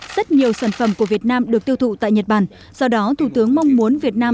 rất nhiều sản phẩm của việt nam được tiêu thụ tại nhật bản do đó thủ tướng mong muốn việt nam